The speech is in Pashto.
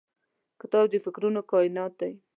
کتاب د فکرونو کائنات دی.